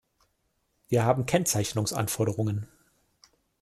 Wir haben Kennzeichnungsanforderungen.